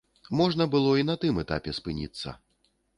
Можна было і на тым этапе спыніцца.